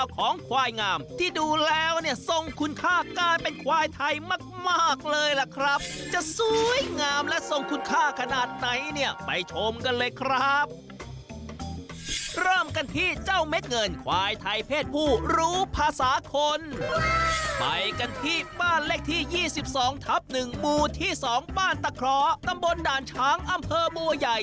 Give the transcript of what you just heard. ของทัพหนึ่งบูที่สองบ้านตะเคราะห์ตำบลด่านช้างอำเภอบัวใหญ่